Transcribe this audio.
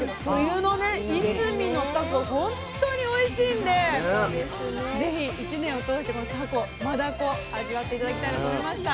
本当においしいんでぜひ１年を通してこのタコマダコ味わって頂きたいなと思いました。